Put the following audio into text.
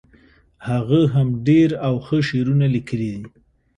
هغه هم ډیر او هم ښه شعرونه لیکلي دي